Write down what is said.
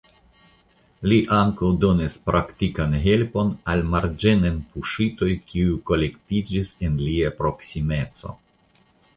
Li ankaŭ donis praktikan helpon al marĝenen puŝitoj kiuj kolektiĝis en lia proksimeco.